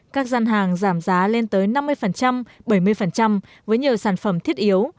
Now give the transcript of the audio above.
các gian hàng giảm giá lên tới năm mươi bảy mươi với nhiều sản phẩm thiết yếu